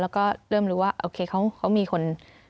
แล้วก็เริ่มรู้ว่าโอเคเขามีคน